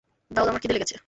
দাউদ, আমার ক্ষিদে লেগেছে।